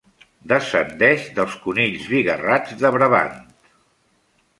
Descendeix dels conills bigarrats de Brabant.